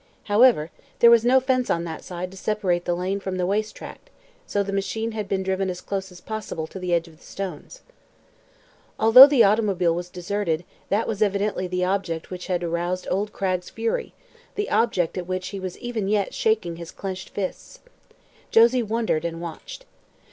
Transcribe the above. However, there was no fence on that side to separate the lane from the waste tract, so the machine had been driven as close as possible to the edge of the stones. Although the automobile was deserted, that was evidently the object which had aroused old Cragg's fury, the object at which he was even yet shaking his clenched fists. Josie wondered and watched.